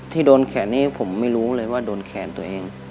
ที่โดนแขนนี้ผมไม่รู้เลยว่าโดนแขนตัวเอง